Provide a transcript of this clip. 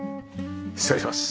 失礼します。